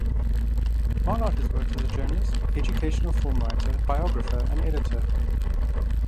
Barnard has worked as a journalist, educational film writer, biographer and editor.